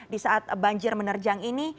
di saat banjir menerjang ini